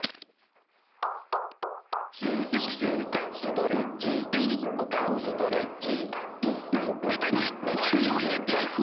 「ス、ス、ストレッチＯＫＡＯストレッチ」「ほっぺたに空気を入れて風船作って」